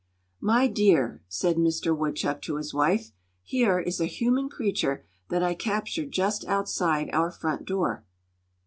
"My dear," said Mister Woodchuck to his wife, "here is a human creature that I captured just outside our front door."